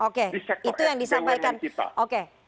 oke itu yang disampaikan oke